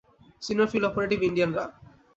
Senior field operative Indian র।